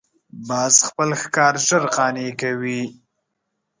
باز خپل ښکار ژر قانع کوي